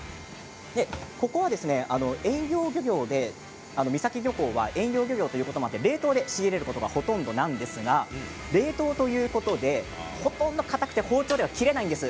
ここは遠洋漁業で三崎漁港は遠洋漁業ということもあって冷凍で仕入れることがほとんどなんですが冷凍ということでかたくて包丁では切れないんです。